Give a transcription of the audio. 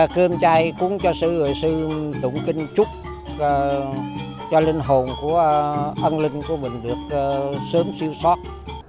cơm chay cũng cho sự người sư tụng kinh chúc cho linh hồn của ân linh của mình được sớm siêu sót